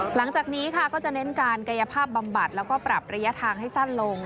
หลังจากนี้ค่ะก็จะเน้นการกายภาพบำบัดแล้วก็ปรับระยะทางให้สั้นลง